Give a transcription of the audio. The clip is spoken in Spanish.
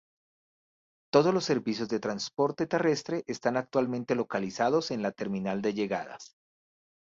Todos los servicios de transporte terrestre están actualmente localizados en la terminal de llegadas.